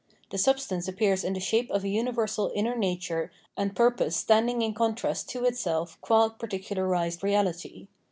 The substance appears in the shape of a universal inner nature and purpose standing in contrast to itself qua particularised reahty.